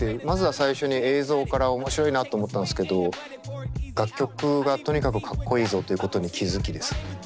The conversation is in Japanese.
まずは最初に映像から面白いなと思ったんすけど楽曲がとにかくかっこいいぞということに気付きですね